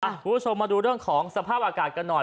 คุณผู้ชมมาดูเรื่องของสภาพอากาศกันหน่อย